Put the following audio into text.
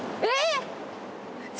えっ！？